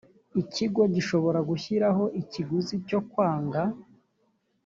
ikigo gishobora gushyiraho ikiguzi cyo kwanga